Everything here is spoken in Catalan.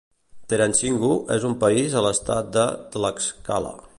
Tenancingo és un país a l'estat de Tlaxcala.